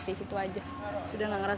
sudah tidak merasa takut lagi